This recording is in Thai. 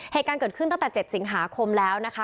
เหตุการณ์เกิดขึ้นตั้งแต่๗สิงหาคมแล้วนะคะ